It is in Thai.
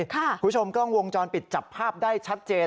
คุณผู้ชมกล้องวงจรปิดจับภาพได้ชัดเจน